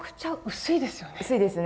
薄いですね。